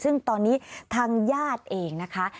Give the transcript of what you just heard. ซึ่งตอนนี้ทางญาติเองนะคะ